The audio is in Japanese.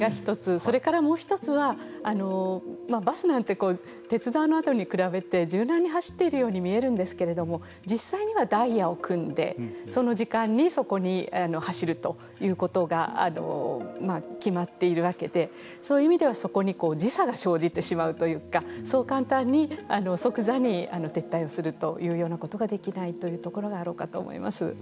それからもう一つはバスなんて鉄道に比べて柔軟に走っているように見えるんですけれども実際はダイヤを組んでその時間にそこに走るということが決まっているわけでそういう意味ではそこに時差が生じてしまうというかそう簡単に即座に撤退をするというようなことができないというところがあろうかと思います。